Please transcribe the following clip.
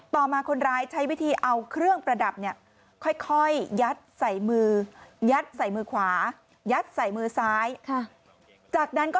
มาคนร้ายใช้วิธีเอาเครื่องประดับเนี่ยค่อยยัดใส่มือยัดใส่มือขวายัดใส่มือซ้ายจากนั้นก็